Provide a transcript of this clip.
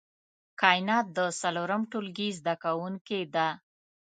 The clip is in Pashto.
کاينات د څلورم ټولګي زده کوونکې ده